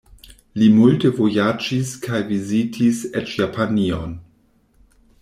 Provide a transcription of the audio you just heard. Li multe vojaĝis kaj vizitis eĉ Japanion.